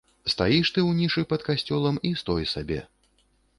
Стаіш ты ў нішы пад касцёлам, і стой сабе.